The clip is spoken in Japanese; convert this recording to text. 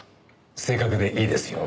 正確でいいですよね。